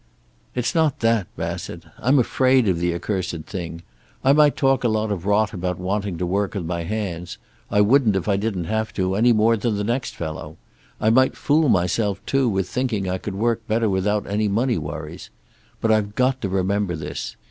"It's not that, Bassett. I'm afraid of the accursed thing. I might talk a lot of rot about wanting to work with my hands. I wouldn't if I didn't have to, any more than the next fellow. I might fool myself, too, with thinking I could work better without any money worries. But I've got to remember this.